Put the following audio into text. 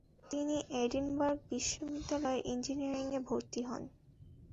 তিনি এডিনবার্গ বিশ্ববিদ্যালয়ে ইঞ্জিয়ারিং এ ভর্তি হন।